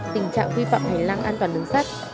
tình trạng vi phạm hành lang an toàn đường sắt